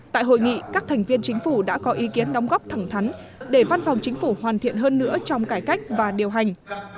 tại hội nghị các thành viên chính phủ đã có ý kiến đóng góp thẳng thắn để văn phòng chính phủ hoàn thiện hơn nữa trong cải cách và điều hành